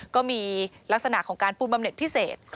ก็มีลักษณะของการปูนบำเน็ตพิเศษ